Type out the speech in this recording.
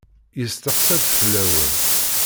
Yesteqsa-d fell-awen.